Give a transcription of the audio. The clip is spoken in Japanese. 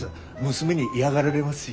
娘に嫌がられますし。